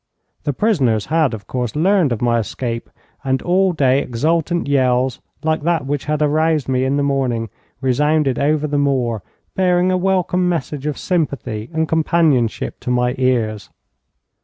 The prisoners had, of course, learned of my escape, and all day exultant yells, like that which had aroused me in the morning, resounded over the moor, bearing a welcome message of sympathy and companionship to my ears.